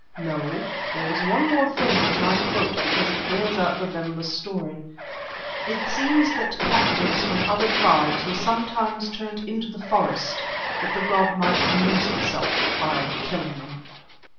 No, there was one more thing which I quote because it bears out Babemba's story. It seems that captives from other tribes were sometimes turned into the forest that the god might amuse itself by killing them.